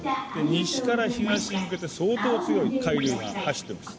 西から東に向けて相当強い海流が走ってます。